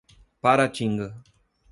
Paratinga